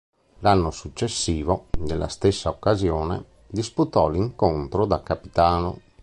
L'anno successivo, nella stessa occasione, disputò l'incontro da capitano.